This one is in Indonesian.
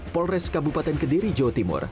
polres kabupaten kediri jawa timur